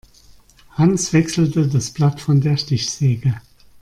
Hans wechselte das Blatt von der Stichsäge.